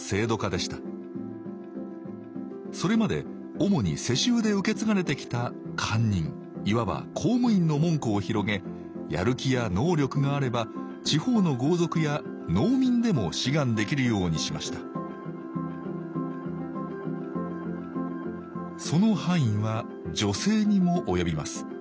それまで主に世襲で受け継がれてきた官人いわば公務員の門戸を広げやる気や能力があれば地方の豪族や農民でも志願できるようにしましたその範囲は女性にも及びます。